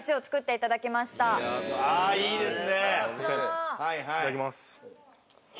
いただきます